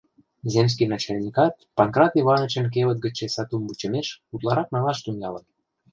Земский начальникат Панкрат Иванычын кевыт гычше сатум вучымеш утларак налаш тӱҥалын.